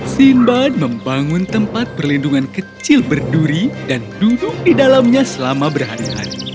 sinbad membangun tempat perlindungan kecil berduri dan duduk di dalamnya selama berhari hari